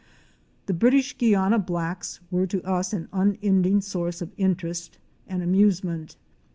The British Guiana blacks were to us an unending source of interest and amusement.